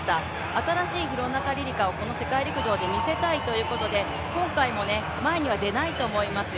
新しい廣中璃梨佳をこの世界陸上で見せたいということで今回も前には出ないと思いますよ。